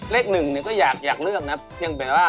เลขหนึ่งก็อยากเลือกนะเพียงแปลว่า